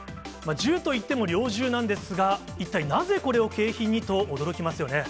銃といっても猟銃なんですが、一体、なぜこれを景品にと驚きますよね。